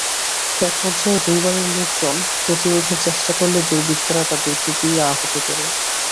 একপর্যায়ে দুই বাড়ির লোকজন প্রতিরোধের চেষ্টা করলে দুর্বৃত্তরা তাঁদের কুপিয়ে আহত করে।